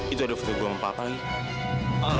itu ada foto gue sama papa lih